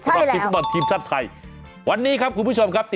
ใช่แล้วคุณผู้ชมครับติดตามกันด้วยนะวันนี้ครับคุณผู้ชมครับ